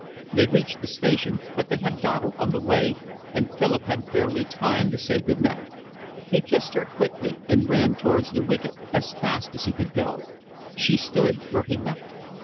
They reached the station, but they had dawdled on the way, and Philip had barely time to say good night. He kissed her quickly and ran towards the wicket as fast as he could. She stood where he left her.